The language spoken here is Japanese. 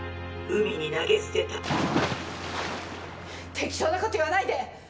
適当なこと言わないで！